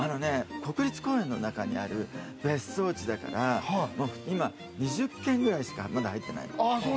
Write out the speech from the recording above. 国立公園の中にある別荘地だから、２０軒くらいしかまだ入ってないの。